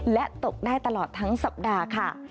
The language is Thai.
และตกได้ตลอดทั้งสัปดาห์ค่ะ